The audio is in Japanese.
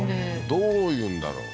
どういうんだろう？